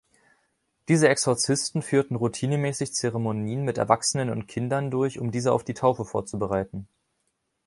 Diese Exorzisten führten routinemäßig Zeremonien mit Erwachsenen und Kinder durch, um diese auf die Taufe vorzubereiten.